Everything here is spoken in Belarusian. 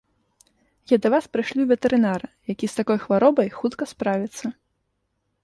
Я да вас прышлю ветэрынара, які з такой хваробай хутка справіцца.